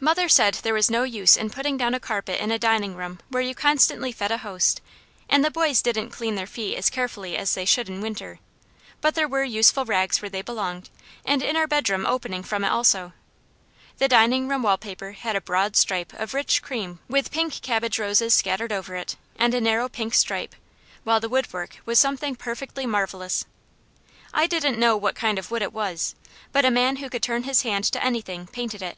Mother said there was no use in putting down a carpet in a dining room where you constantly fed a host, and the boys didn't clean their feet as carefully as they should in winter; but there were useful rags where they belonged, and in our bedroom opening from it also. The dining room wall paper had a broad stripe of rich cream with pink cabbage roses scattered over it and a narrow pink stripe, while the woodwork was something perfectly marvellous. I didn't know what kind of wood it was, but a man who could turn his hand to anything, painted it.